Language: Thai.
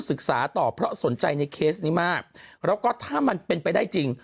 ศึกษาต่อเพราะสนใจในเคสนี้มากแล้วก็ถ้ามันเป็นไปได้จริง